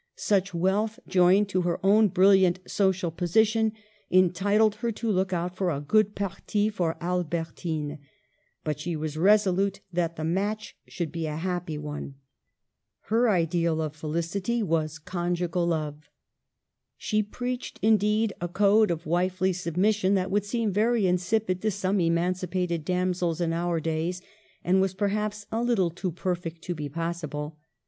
Such wealth, joined to her own brilliant social position, entitled her to look out for a good parti for Albertine ; but she was resolute that the match should be a happy one. Her ideal of felic Digitized by VjOOQLC ENGLAND AGAIN 191 ity was conjugal love. She preached, indeed, a code of wifely submission that would seem very insipid to some emancipated damsels in our days, and was perhaps a little too perfect to be possi ble.